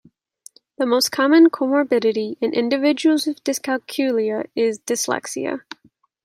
The most common comorbidity in individuals with dyscalculia is dyslexia.